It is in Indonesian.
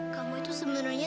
kamu itu sebenernya